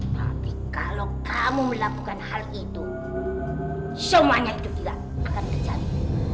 tapi kalau kamu melakukan hal itu semuanya itu tidak akan terjadi